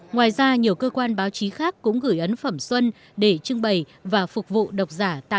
ngoài ra nhiều cơ quan báo chí khác cũng gửi ấn phẩm xuất